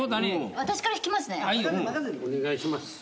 お願いします。